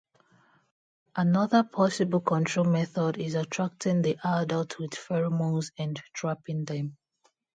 Another possible control method is attracting the adults with pheromones and trapping them.